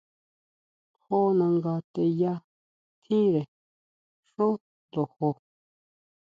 Jó nanga teyà tjínre xjó lojo.